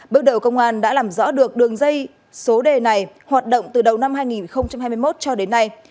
bước đầu công an đã làm rõ được đường dây số đề này hoạt động từ đầu năm hai nghìn hai mươi một cho đến nay